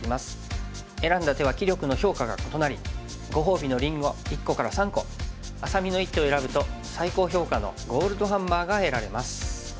選んだ手は棋力の評価が異なりご褒美のりんご１個から３個愛咲美の一手を選ぶと最高評価のゴールドハンマーが得られます。